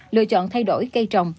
lựa chọn thay đổi cây trồng